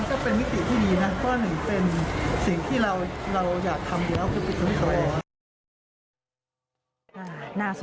ก็ไม่เอาเราคงรับปาก